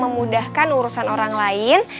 memudahkan urusan orang lain